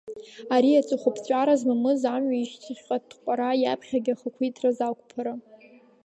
Ари аҵыхәаԥҵәара змамыз амҩа ишьҭахьҟа атҟәара, иаԥхьаҟа ахақәиҭразы ақәԥара.